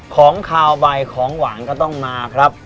ของขาวใบของหวานก็ต้องมาครับ